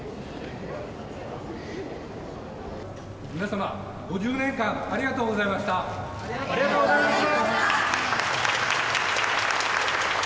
皆様５０年間、ありがとうごありがとうございました。